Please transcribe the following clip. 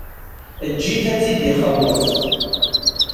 Eǧǧ-it ad t-ixelleṣ.